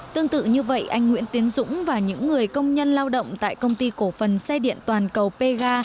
tương tự như vậy anh nguyễn tiến dũng và những người công nhân lao động tại công ty cổ phần xe điện toàn cầu pga